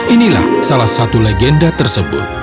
inilah salah satu legenda tersebut